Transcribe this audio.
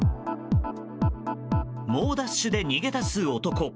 猛ダッシュで逃げ出す男。